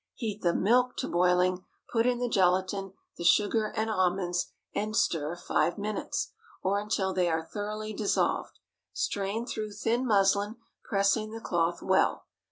Heat the milk to boiling, put in the gelatine, the sugar and almonds, and stir five minutes, or until they are thoroughly dissolved. Strain through thin muslin, pressing the cloth well.